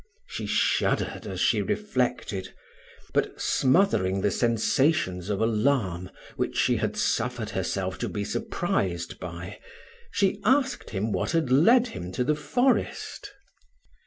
She shuddered as she reflected; but smothering the sensations of alarm which she had suffered herself to be surprised by, she asked him what had led him to the forest.